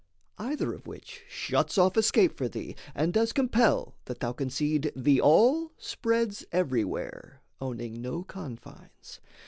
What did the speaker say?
Either of which Shuts off escape for thee, and does compel That thou concede the all spreads everywhere, Owning no confines.